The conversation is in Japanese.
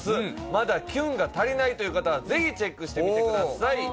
まだきゅんが足りないという方はぜひチェックしてみてください